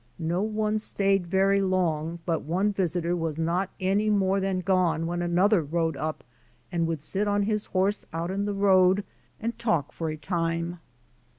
No one stayed very long but one visitor was not any more than gone when another rode up and would sit on his horse out in the road and talk for a time.